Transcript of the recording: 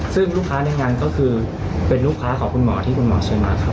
ซึ่งลูกค้าในงานก็คือเป็นลูกค้าของคุณหมอที่คุณหมอเชิญมาครับ